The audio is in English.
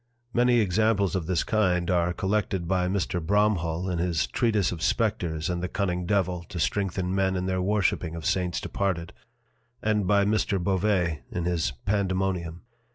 Many Examples of this kind are collected by Mr. Bromhall in his Treatise of Spectres, and the cunning Devil, to strengthen Men in their worshipping of Saints departed: And by Mr. Bovet in his Pandemonium.